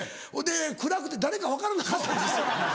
暗くて誰か分からなかったんですよ。